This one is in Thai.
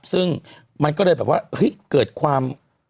ซึ่งมันก็เลยแบบว่าเฮ้ยเกิดความ